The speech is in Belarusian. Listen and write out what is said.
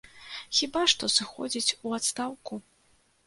Хіба што сыходзіць у адстаўку.